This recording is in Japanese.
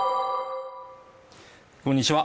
こんにちは